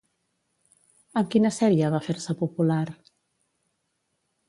Amb quina sèrie va fer-se popular?